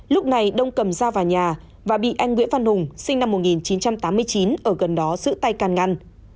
lúc này đông cầm ra vào nhà và bị anh nguyễn văn hùng sinh năm một nghìn chín trăm tám mươi chín ở gần đó giữ tay can ngăn